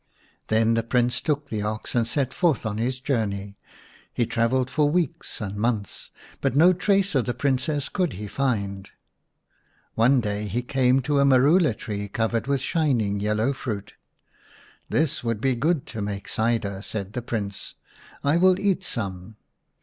Then tke Prince took the ox and set forth on his journey. He travelled for weeks and months, but no trace of the Princess could he find. One day he came to a marula tree covered with shining yellow fruit. " This would be good to make cider," said the Prince. " I will eat some."